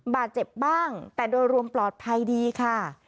บาดเจ็บบ้างแต่โดยรวมปลอดภัยดีค่ะ